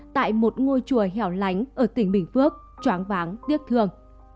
tại một ngôi chùa hẻo lánh ở tỉnh bình phước choáng váng tiếc thương